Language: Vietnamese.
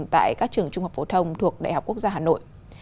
tại các trường trung học phổ thông thuộc đại học quốc gia hà nội